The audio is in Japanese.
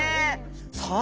さあ